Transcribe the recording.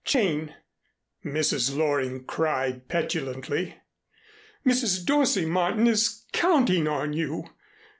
"Jane," Mrs. Loring cried petulantly. "Mrs. Dorsey Martin is counting on you.